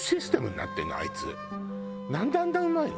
なんであんなうまいの？